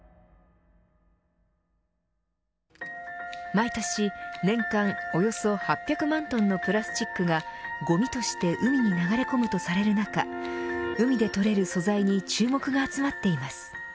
毎年年間およそ８００万トンのプラスチックがごみとして海に流れ込むとされる中海で採れる素材に注目が集まっています。